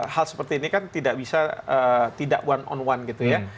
hal seperti ini kan tidak bisa tidak one on one gitu ya